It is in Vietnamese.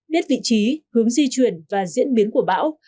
biết vị trí hướng di chuyển và diễn biến của bão